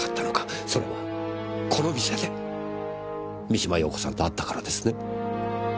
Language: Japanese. それはこの店で三島陽子さんと会ったからですね？